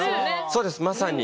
そうですまさに。